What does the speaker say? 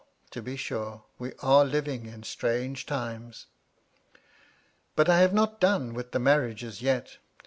to be sure, we are living in ' strange times 1 ' But I have not done with the marriages yet.